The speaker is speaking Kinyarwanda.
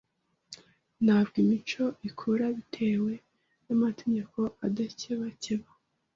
Ntabwo imico ikura bitewe n’amategeko adakebakeba